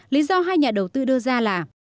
lý do hai nhà đầu tư đưa ra là